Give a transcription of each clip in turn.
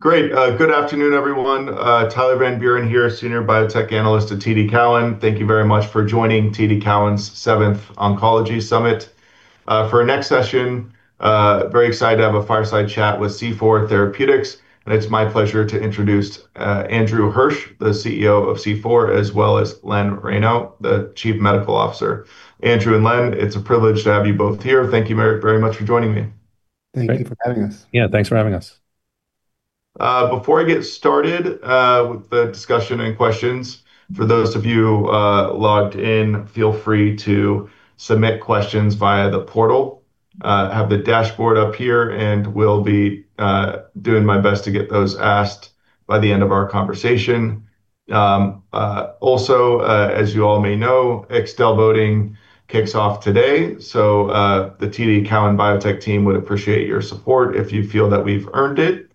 Great. Good afternoon, everyone. Tyler Van Buren here, Senior Biotech Analyst at TD Cowen. Thank you very much for joining TD Cowen's 7th Oncology Summit. For our next session, very excited to have a fireside chat with C4 Therapeutics, and it's my pleasure to introduce Andrew Hirsch, the CEO of C4, as well as Len Reyno, the Chief Medical Officer. Andrew and Len, it's a privilege to have you both here. Thank you very much for joining me. Thank you for having us. Yeah, thanks for having us. Before I get started with the discussion and questions, for those of you logged in, feel free to submit questions via the portal. I have the dashboard up here, will be doing my best to get those asked by the end of our conversation. As you all may know, Extel voting kicks off today, the TD Cowen biotech team would appreciate your support if you feel that we've earned it.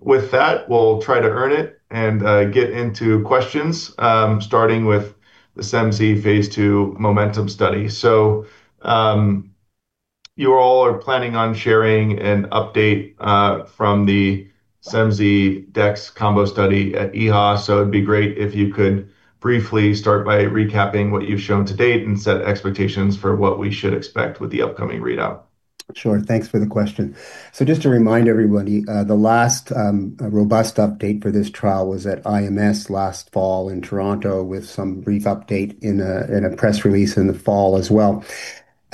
With that, we'll try to earn it and get into questions, starting with the cemsidomide phase II MOMENTUM study. You all are planning on sharing an update from the cemsidomide dex combo study at EHA, it'd be great if you could briefly start by recapping what you've shown to date and set expectations for what we should expect with the upcoming readout. Sure. Thanks for the question. Just to remind everybody, the last robust update for this trial was at IMS last fall in Toronto with some brief update in a press release in the fall as well.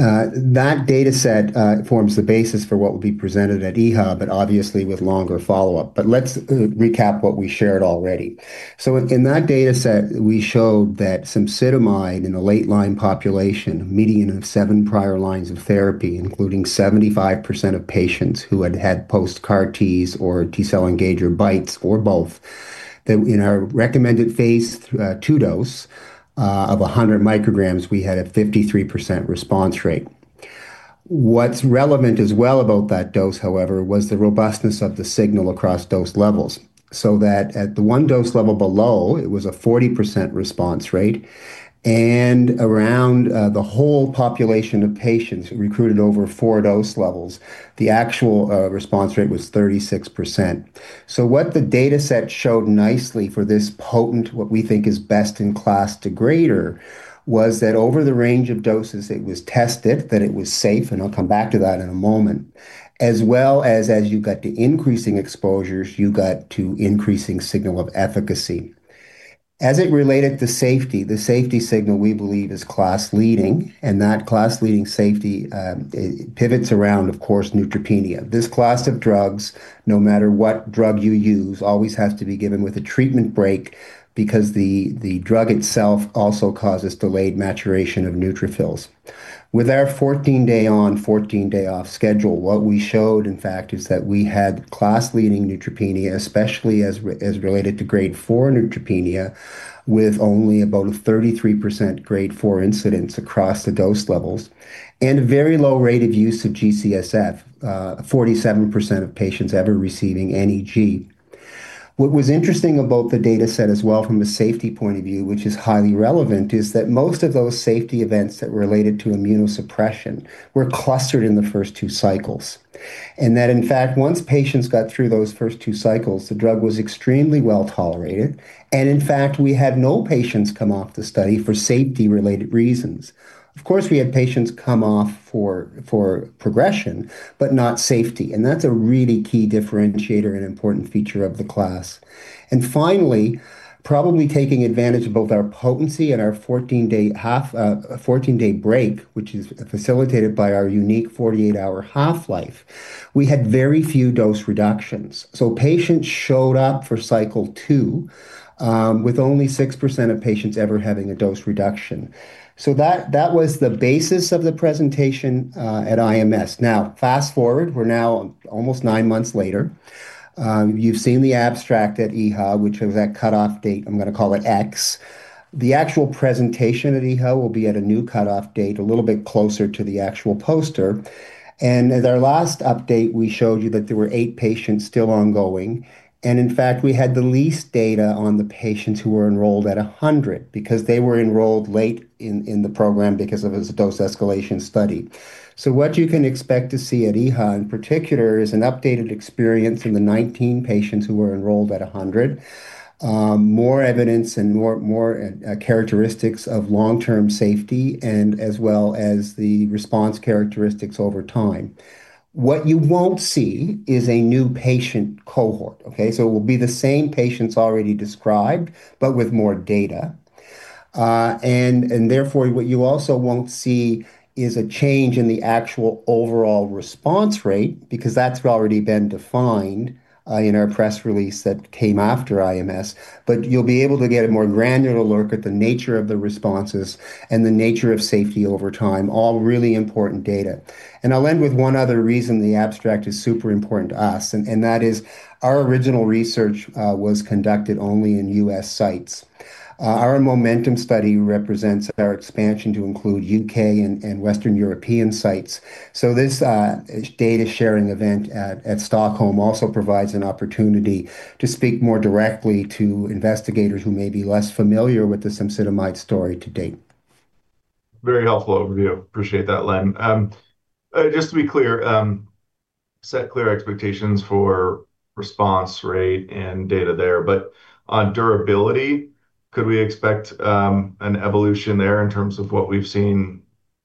That data set forms the basis for what will be presented at EHA, obviously with longer follow-up. Let's recap what we shared already. Within that data set, we showed that cemsidomide in a late-line population, a median of seven prior lines of therapy, including 75% of patients who had had post CAR-Ts or T-cell engager BiTEs or both, that in our recommended phase II dose of 100 micrograms, we had a 53% response rate. What's relevant as well about that dose, however, was the robustness of the signal across dose levels, so that at the one dose level below, it was a 40% response rate, and around the whole population of patients recruited over four dose levels, the actual response rate was 36%. What the data set showed nicely for this potent, what we think is best-in-class degrader, was that over the range of doses it was tested that it was safe, and I'll come back to that in a moment. As well as you got to increasing exposures, you got to increasing signal of efficacy. As it related to safety, the safety signal we believe is class leading, and that class-leading safety pivots around, of course, neutropenia. This class of drugs, no matter what drug you use, always has to be given with a treatment break because the drug itself also causes delayed maturation of neutrophils. With our 14-day on, 14-day off schedule, what we showed, in fact, is that we had class-leading neutropenia, especially as related to Grade 4 neutropenia, with only about 33% Grade 4 incidence across the dose levels and a very low rate of use of GCSF, 47% of patients ever receiving any G. What was interesting about the data set as well from the safety point of view, which is highly relevant, is that most of those safety events that related to immunosuppression were clustered in the first two cycles. That, in fact, once patients got through those first two cycles, the drug was extremely well-tolerated, and in fact, we had no patients come off the study for safety-related reasons. Of course, we had patients come off for progression, but not safety, and that's a really key differentiator and important feature of the class. Finally, probably taking advantage of both our potency and our 14-day break, which is facilitated by our unique 48-hour half-life, we had very few dose reductions. Patients showed up for cycle two with only 6% of patients ever having a dose reduction. That was the basis of the presentation at IMS. Now, fast-forward, we're now almost nine months later. You've seen the abstract at EHA, which was that cutoff date, I'm going to call it X. The actual presentation at EHA will be at a new cutoff date, a little bit closer to the actual poster. At our last update, we showed you that there were eight patients still ongoing. In fact, we had the least data on the patients who were enrolled at 100, because they were enrolled late in the program because it was a dose escalation study. What you can expect to see at EHA, in particular, is an updated experience from the 19 patients who were enrolled at 100, more evidence and more characteristics of long-term safety, and as well as the response characteristics over time. What you won't see is a new patient cohort, okay? It will be the same patients already described, but with more data. Therefore, what you also won't see is a change in the actual overall response rate, because that's already been defined in our press release that came after IMS. You'll be able to get a more granular look at the nature of the responses and the nature of safety over time, all really important data. I'll end with one other reason the abstract is super important to us, and that is our original research was conducted only in U.S. sites. Our MOMENTUM study represents our expansion to include U.K. and Western European sites. This data-sharing event at Stockholm also provides an opportunity to speak more directly to investigators who may be less familiar with the cemsidomide story to date. Very helpful overview. Appreciate that, Len. Just to be clear, set clear expectations for response rate and data there, but on durability, could we expect an evolution there in terms of what we've seen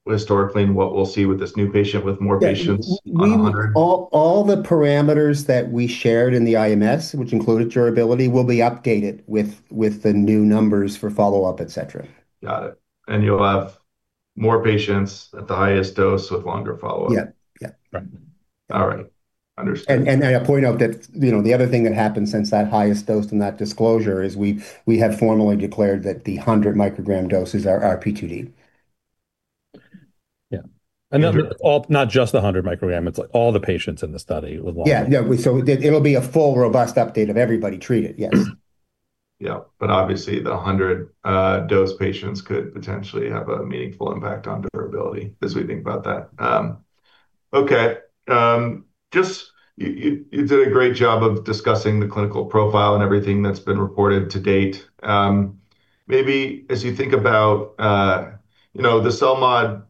historically and what we'll see with this new patient, with more patients, 100? All the parameters that we shared in the IMS, which included durability, will be updated with the new numbers for follow-up, et cetera. Got it. You'll have more patients at the highest dose with longer follow-up? Yeah. All right. Understood. I point out that the other thing that happened since that highest dose and that disclosure is we had formally declared that the 100 microgram dose is our P2D. Yeah. Not just 100 microgram, it's all the patients in the study with longer-. Yeah. It'll be a full, robust update of everybody treated. Yes. Yeah. Obviously, the 100-dose patients could potentially have a meaningful impact on durability as we think about that. Okay. You did a great job of discussing the clinical profile and everything that's been reported to date. Maybe as you think about the CELMoD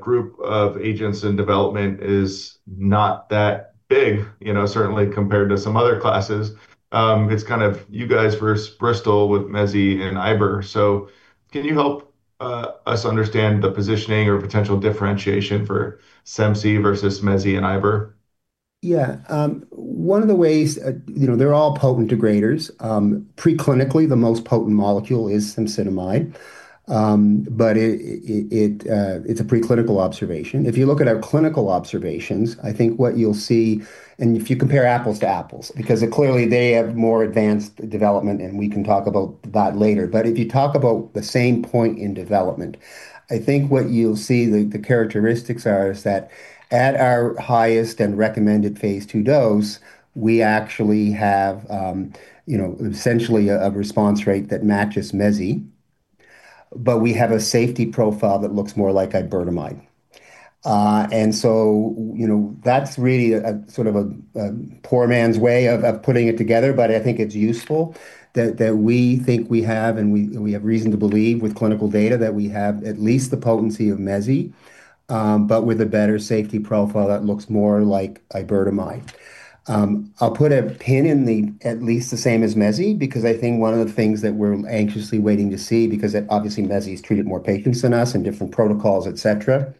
group of agents in development is not that big, certainly compared to some other classes. It's kind of you guys versus Bristol with MEZI and IBER. Can you help us understand the positioning or potential differentiation for cemsi versus MEZI and IBER? Yeah. One of the ways, they're all potent degraders. Preclinically, the most potent molecule is cemsidomide, but it's a preclinical observation. If you look at our clinical observations, I think what you'll see, and if you compare apples to apples, because clearly they have more advanced development, and we can talk about that later, but if you talk about the same point in development, I think what you'll see the characteristics are is that at our highest and recommended phase II dose, we actually have essentially a response rate that matches MEZI, but we have a safety profile that looks more like iberdomide. That's really a sort of a poor man's way of putting it together, but I think it's useful that we think we have, and we have reason to believe with clinical data that we have at least the potency of MEZI, but with a better safety profile that looks more like iberdomide. I'll put a pin in the at least the same as MEZI because I think one of the things that we're anxiously waiting to see, because obviously MEZI has treated more patients than us in different protocols, et cetera,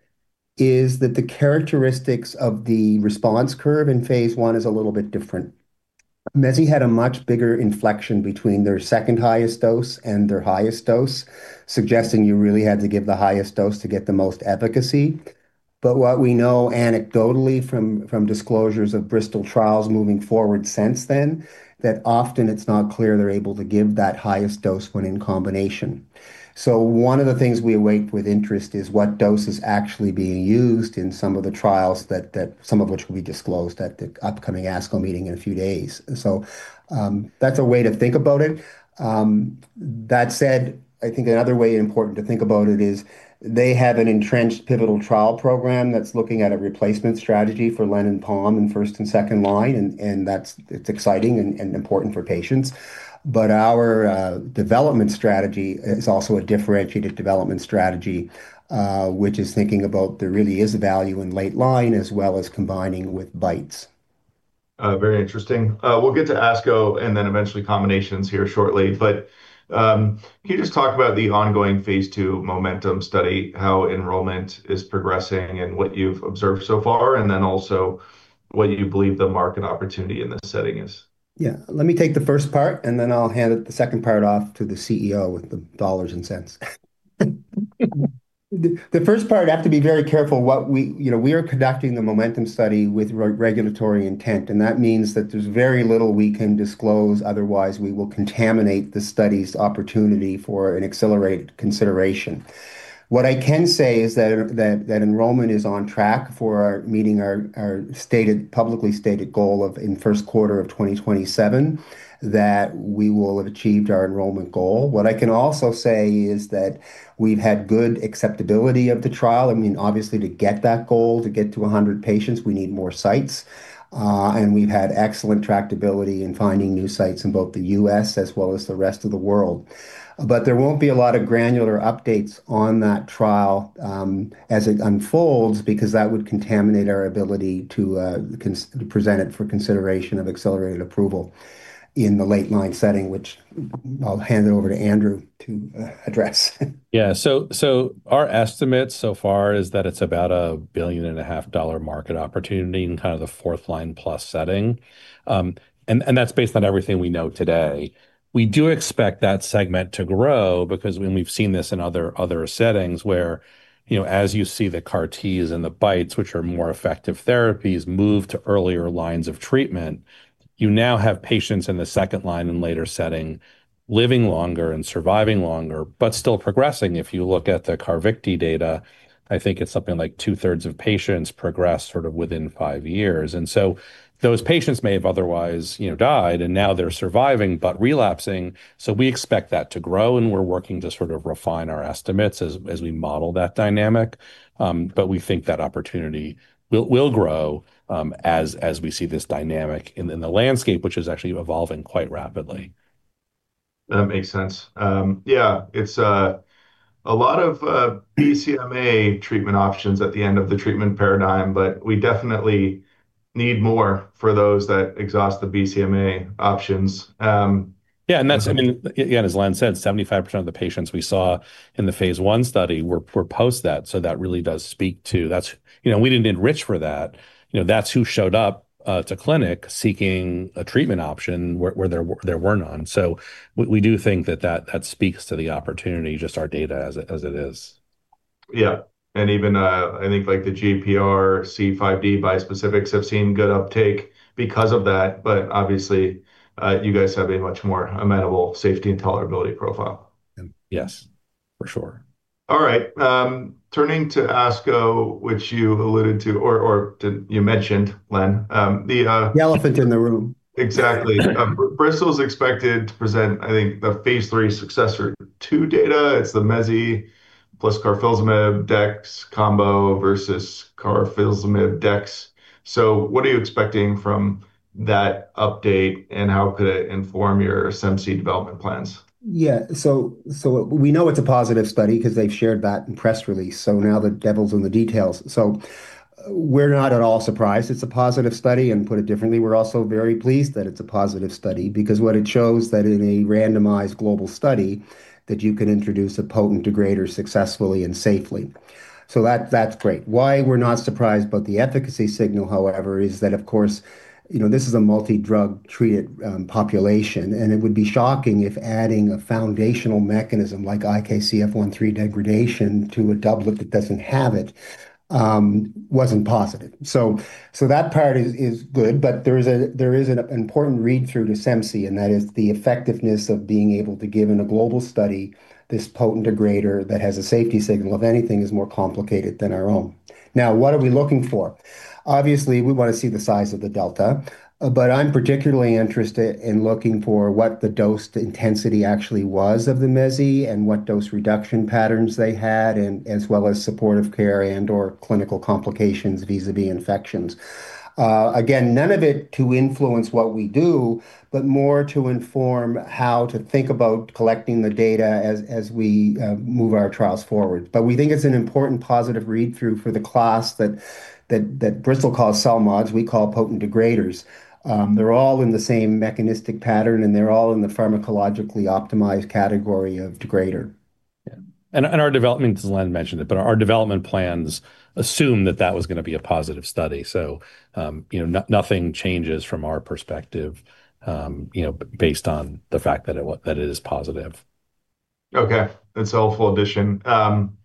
is that the characteristics of the response curve in phase I is a little bit different. MEZI had a much bigger inflection between their second highest dose and their highest dose, suggesting you really had to give the highest dose to get the most efficacy. What we know anecdotally from disclosures of Bristol trials moving forward since then, that often it's not clear they're able to give that highest dose when in combination. One of the things we await with interest is what dose is actually being used in some of the trials that some of which will be disclosed at the upcoming ASCO meeting in a few days. That's a way to think about it. That said, I think another way important to think about it is they have an entrenched pivotal trial program that's looking at a replacement strategy for len and pom in first and second line, and that's exciting and important for patients. Our development strategy is also a differentiated development strategy, which is thinking about there really is a value in late line as well as combining with BiTEs. Very interesting. We'll get to ASCO and then eventually combinations here shortly. Can you just talk about the ongoing phase II MOMENTUM study, how enrollment is progressing, and what you've observed so far, and then also what you believe the market opportunity in this setting is? Let me take the first part, and then I'll hand the second part off to the CEO with the dollars and cents. The first part, I have to be very careful. We are conducting the MOMENTUM study with regulatory intent, and that means that there's very little we can disclose, otherwise we will contaminate the study's opportunity for an accelerated consideration. What I can say is that enrollment is on track for meeting our publicly stated goal in the first quarter of 2027 that we will have achieved our enrollment goal. What I can also say is that we've had good acceptability of the trial. Obviously, to get that goal, to get to 100 patients, we need more sites. We've had excellent tractability in finding new sites in both the U.S. as well as the rest of the world. There won't be a lot of granular updates on that trial as it unfolds because that would contaminate our ability to present it for consideration of accelerated approval in the late-line setting, which I'll hand over to Andrew to address. Our estimate so far is that it's about a $1.5 billion market opportunity in kind of the fourth line plus setting. That's based on everything we know today. We do expect that segment to grow because, and we've seen this in other settings where, as you see the CAR-Ts and the BiTEs, which are more effective therapies, move to earlier lines of treatment, you now have patients in the second line and later setting living longer and surviving longer, but still progressing. If you look at the CARVYKTI data, I think it's something like two-thirds of patients progress sort of within five years. Those patients may have otherwise died, and now they're surviving, but relapsing. We expect that to grow, and we're working to sort of refine our estimates as we model that dynamic. We think that opportunity will grow as we see this dynamic in the landscape, which is actually evolving quite rapidly. That makes sense. It's a lot of BCMA treatment options at the end of the treatment paradigm, but we definitely need more for those that exhaust the BCMA options. As Len said, 75% of the patients we saw in the phase I study were post that, so that really does speak to that. We didn't enrich for that. That's who showed up to clinic seeking a treatment option where there were none. We do think that speaks to the opportunity, just our data as it is. Yeah. Even, I think the GPRC5D bispecifics have seen good uptake because of that. Obviously, you guys have a much more amenable safety and tolerability profile. Yes. For sure. All right. Turning to ASCO, which you alluded to, or you mentioned, Len. The elephant in the room. Exactly. Bristol's expected to present, I think, the phase III SUCCESSOR-2 data. It's the MEZI plus carfilzomib dex combo versus carfilzomib dex. What are you expecting from that update, and how could it inform your cemsidomide development plans? Yeah. We know it's a positive study because they've shared that in press release, now the devil's in the details. We're not at all surprised it's a positive study, and put it differently, we're also very pleased that it's a positive study because what it shows that in a randomized global study, that you can introduce a potent degrader successfully and safely. That's great. Why we're not surprised about the efficacy signal, however, is that of course, this is a multi-drug treated population, and it would be shocking if adding a foundational mechanism like IKZF1/3 degradation to a doublet that doesn't have it wasn't positive. That part is good, there is an important read-through to cemsidomide, and that is the effectiveness of being able to give, in a global study, this potent degrader that has a safety signal, if anything, is more complicated than our own. What are we looking for? We want to see the size of the delta. I'm particularly interested in looking for what the dose intensity actually was of the mezigdomide and what dose reduction patterns they had, and as well as supportive care and/or clinical complications vis-à-vis infections. None of it to influence what we do, more to inform how to think about collecting the data as we move our trials forward. We think it's an important positive read-through for the class that Bristol calls CELMoDs, we call potent degraders. They're all in the same mechanistic pattern, and they're all in the pharmacologically optimized category of degrader. Yeah. Our development, Len mentioned it, but our development plans assume that that was going to be a positive study. Nothing changes from our perspective based on the fact that it is positive. Okay. That's a helpful addition. Maybe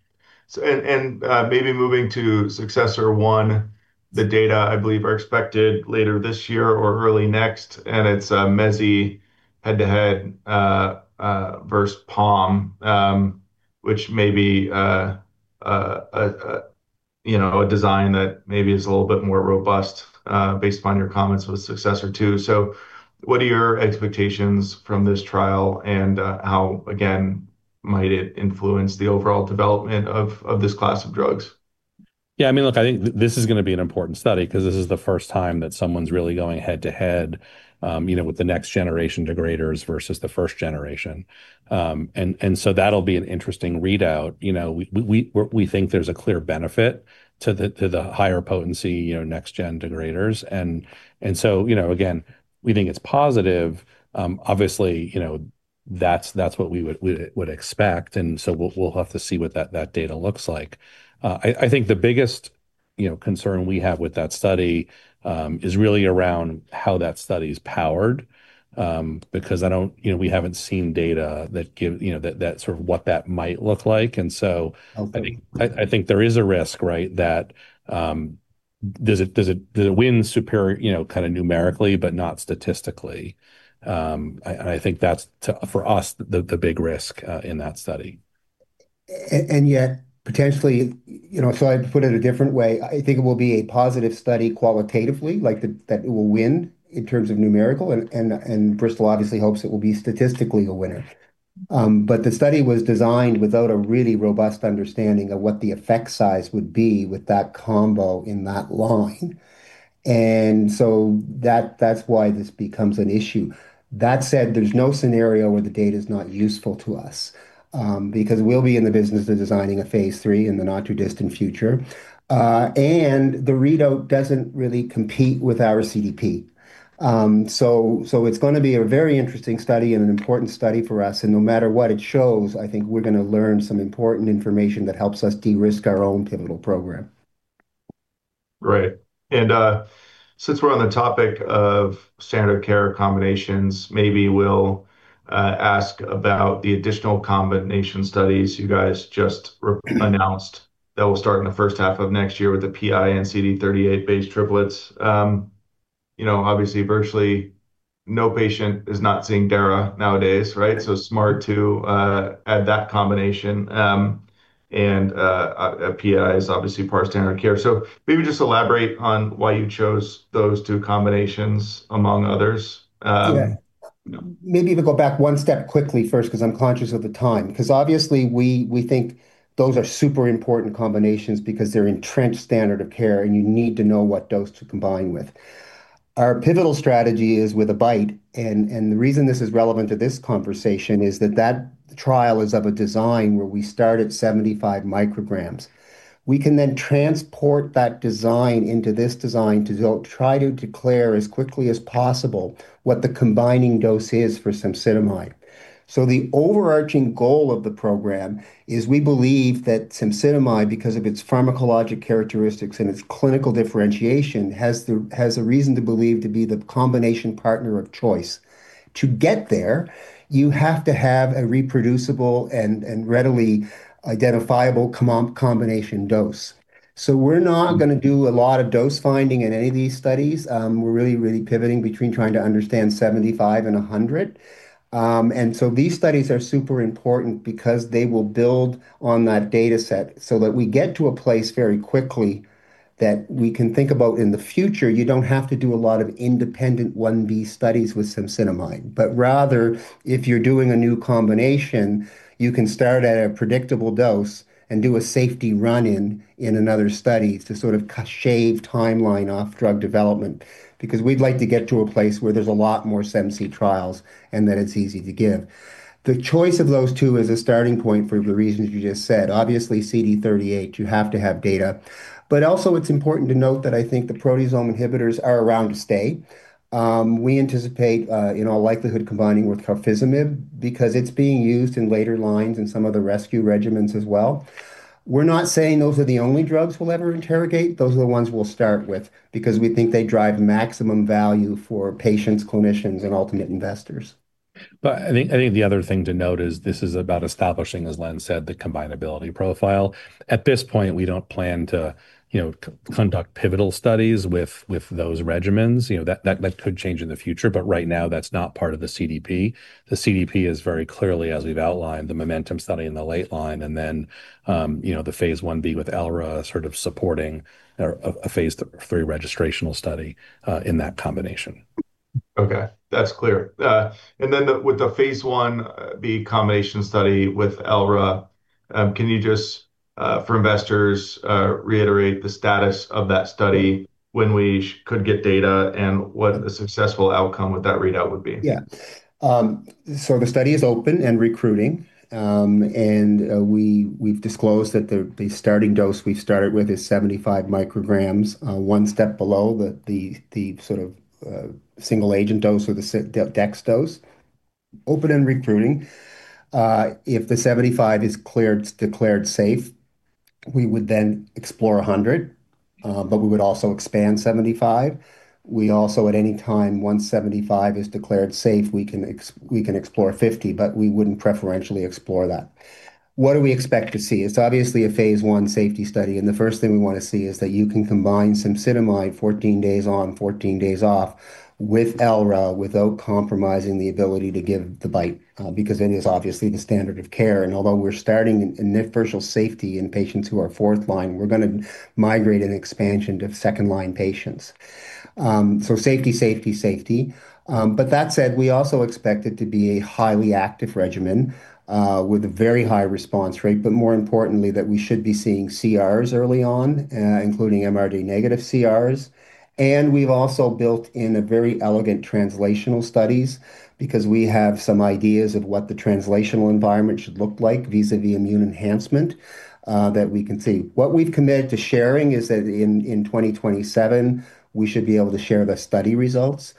moving to SUCCESSOR-1, the data, I believe, are expected later this year or early next. It's a MEZI head-to-head versus pom, which may be a design that maybe is a little bit more robust based upon your comments with SUCCESSOR-2. What are your expectations from this trial, and how, again, might it influence the overall development of this class of drugs? Yeah, look, I think this is going to be an important study because this is the first time that someone's really going head-to-head with the next generation degraders versus the first generation. That'll be an interesting readout. We think there's a clear benefit to the higher potency next gen degraders. Again, we think it's positive. Obviously, that's what we would expect, and so we'll have to see what that data looks like. I think the biggest concern we have with that study, is really around how that study's powered, because we haven't seen data that gives what that might look like. Okay. I think there is a risk, right, that does it win superior numerically, but not statistically? I think that's, for us, the big risk in that study. I'd put it a different way. I think it will be a positive study qualitatively, like that it will win in terms of numerical, and Bristol obviously hopes it will be statistically a winner. The study was designed without a really robust understanding of what the effect size would be with that combo in that line. That's why this becomes an issue. That said, there's no scenario where the data's not useful to us, because we'll be in the business of designing a phase III in the not too distant future. The readout doesn't really compete with our CDP. It's going to be a very interesting study and an important study for us, and no matter what it shows, I think we're going to learn some important information that helps us de-risk our own pivotal program. Right. Since we're on the topic of standard of care combinations, maybe we'll ask about the additional combination studies you guys just announced that will start in the first half of next year with the PI and CD38-based triplets. Obviously, virtually no patient is not seeing daratumumab nowadays, right? Smart to add that combination. PI is obviously part standard of care. Maybe just elaborate on why you chose those two combinations, among others. Yeah. Maybe to go back one step quickly first, because I'm conscious of the time. Obviously, we think those are super important combinations because they're entrenched standard of care, and you need to know what dose to combine with. Our pivotal strategy is with a BiTE. The reason this is relevant to this conversation is that that trial is of a design where we start at 75 micrograms. We can then transport that design into this design to try to declare as quickly as possible what the combining dose is for cemsidomide. The overarching goal of the program is we believe that cemsidomide, because of its pharmacologic characteristics and its clinical differentiation, has a reason to believe to be the combination partner of choice. To get there, you have to have a reproducible and readily identifiable combination dose. We're not going to do a lot of dose finding in any of these studies. We're really pivoting between trying to understand 75 micrograms and 100 micrograms. These studies are super important because they will build on that data set so that we get to a place very quickly that we can think about in the future. You don't have to do a lot of independent phase I-B studies with cemsidomide, but rather, if you're doing a new combination, you can start at a predictable dose and do a safety run-in in another study to sort of shave timeline off drug development. We'd like to get to a place where there's a lot more cemsi trials and that it's easy to give. The choice of those two is a starting point for the reasons you just said. Obviously, CD38, you have to have data. Also it's important to note that I think the proteasome inhibitors are around to stay. We anticipate, in all likelihood, combining with carfilzomib because it's being used in later lines in some of the rescue regimens as well. We're not saying those are the only drugs we'll ever interrogate. Those are the ones we'll start with because we think they drive maximum value for patients, clinicians, and ultimate investors. I think the other thing to note is this is about establishing, as Len said, the combinability profile. At this point, we don't plan to conduct pivotal studies with those regimens. That could change in the future, but right now that's not part of the CDP. The CDP is very clearly, as we've outlined, the MOMENTUM study in the late line and then the phase I-B with elranatamab sort of supporting a phase III registrational study in that combination. Okay, that's clear. Then with the phase I, the combination study with elranatamab, can you just, for investors, reiterate the status of that study when we could get data and what a successful outcome with that readout would be? The study is open and recruiting, and we've disclosed that the starting dose we've started with is 75 micrograms, one step below the sort of single agent dose or the dex dose. Open and recruiting. If the 75 micrograms is declared safe, we would then explore 100 micrograms, we would also expand 75 micrograms. We also, at any time, once 75 micrograms is declared safe, we can explore 50 micrograms, we wouldn't preferentially explore that. What do we expect to see? It's obviously a phase I safety study, the first thing we want to see is that you can combine cemsidomide 14 days on, 14 days off with elranatamab without compromising the ability to give the BiTE, it is obviously the standard of care. Although we're starting initial safety in patients who are fourth line, we're going to migrate an expansion to second-line patients. Safety, safety. That said, we also expect it to be a highly active regimen, with a very high response rate, more importantly, that we should be seeing CRs early on, including MRD negative CRs. We've also built in a very elegant translational studies because we have some ideas of what the translational environment should look like vis-à-vis immune enhancement, that we can see. What we've committed to sharing is that in 2027, we should be able to share the study results.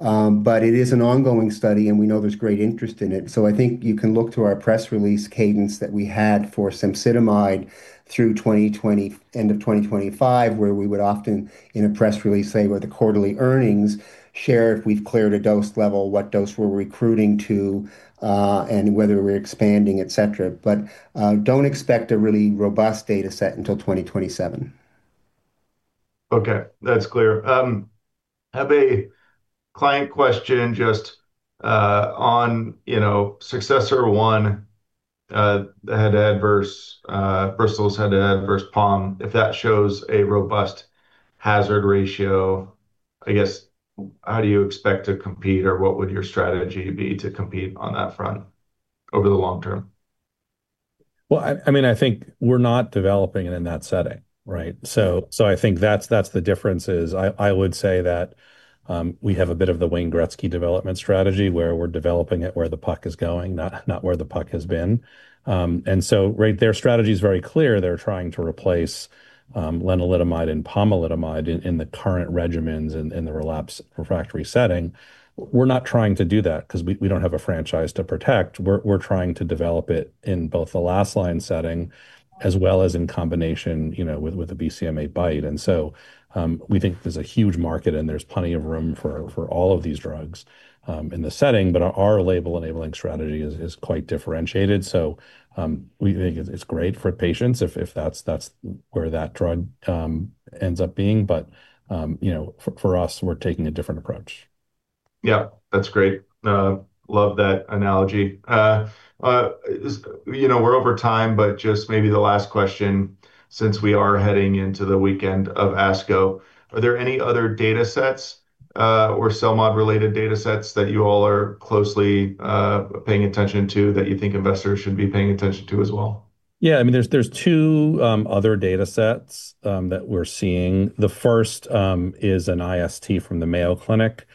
It is an ongoing study, and we know there's great interest in it. I think you can look to our press release cadence that we had for cemsidomide through end of 2025, where we would often in a press release say, with the quarterly earnings share, if we've cleared a dose level, what dose we're recruiting to, and whether we're expanding, et cetera. Don't expect a really robust data set until 2027. Okay, that's clear. Have a client question just on SUCCESSOR-1, Bristol's had adverse pom. If that shows a robust hazard ratio, I guess how do you expect to compete or what would your strategy be to compete on that front over the long term? Well, I think we're not developing it in that setting, right? I think that's the difference is I would say that we have a bit of the Wayne Gretzky development strategy, where we're developing it, where the puck is going, not where the puck has been. Their strategy is very clear. They're trying to replace lenalidomide and pomalidomide in the current regimens in the relapse refractory setting. We're not trying to do that because we don't have a franchise to protect. We're trying to develop it in both the last line setting as well as in combination with the BCMA BiTE. We think there's a huge market and there's plenty of room for all of these drugs in the setting. Our label enabling strategy is quite differentiated. We think it's great for patients if that's where that drug ends up being. For us, we're taking a different approach. Yeah, that's great. Love that analogy. Just maybe the last question, since we are heading into the weekend of ASCO, are there any other data sets or CELMoD related data sets that you all are closely paying attention to that you think investors should be paying attention to as well? Yeah, there's two other data sets that we're seeing. The first is an IST from the Mayo Clinic,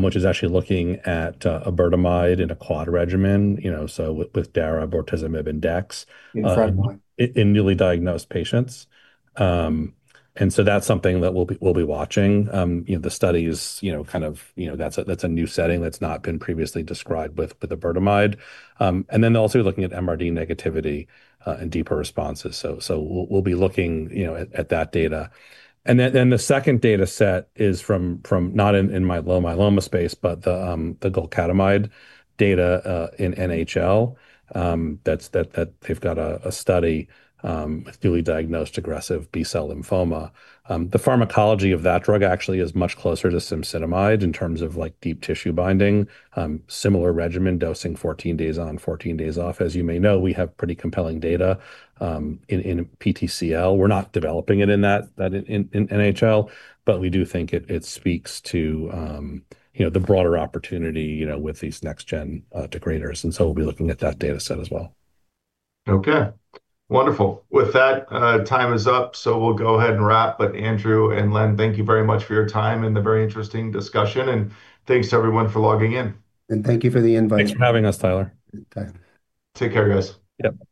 which is actually looking at iberdomide in a quad regimen, so with daratumumab, bortezomib, and dex. In front line. in newly diagnosed patients. That's something that we'll be watching. That's a new setting that's not been previously described with iberdomide. Also looking at MRD negativity and deeper responses. We'll be looking at that data. The second data set is from not in the myeloma space, but the golcadomide data in NHL. They've got a study with newly diagnosed aggressive B-cell lymphoma. The pharmacology of that drug actually is much closer to cemsidomide in terms of deep tissue binding, similar regimen dosing, 14 days on, 14 days off. As you may know, we have pretty compelling data in PTCL. We're not developing it in NHL, but we do think it speaks to the broader opportunity with these next-gen degraders. We'll be looking at that data set as well. Okay, wonderful. With that, time is up, so we'll go ahead and wrap. Andrew and Len, thank you very much for your time and the very interesting discussion. Thanks to everyone for logging in. Thank you for the invite. Thanks for having us, Tyler. Take care, guys. Yep, bye.